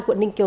quận ninh kiều